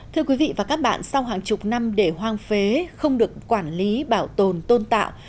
thưa quý vị và các bạn sau hàng chục năm để hoang phế không được quản lý bảo tồn tôn tạo